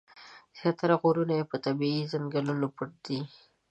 زیاتره غرونه یې په طبیعي ځنګلونو پټ دي.